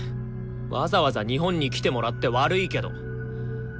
わざわざ日本に来てもらって悪いけど。